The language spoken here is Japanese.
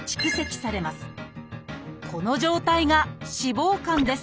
この状態が脂肪肝です。